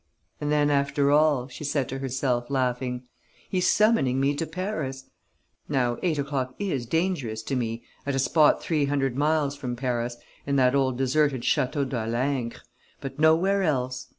"And then, after all," she said to herself, laughing, "he's summoning me to Paris. Now eight o'clock is dangerous to me at a spot three hundred miles from Paris, in that old deserted Château de Halingre, but nowhere else.